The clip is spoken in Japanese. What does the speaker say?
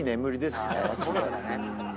そうなんだね。